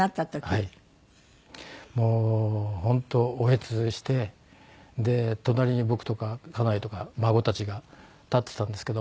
もう本当嗚咽してで隣に僕とか家内とか孫たちが立ってたんですけども。